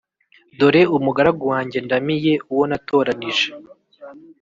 Dore umugaragu wanjye ndamiye uwo natoranije